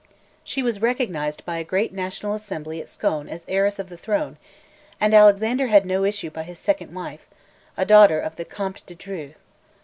She was recognised by a great national assembly at Scone as heiress of the throne; and Alexander had no issue by his second wife, a daughter of the Comte de Dreux.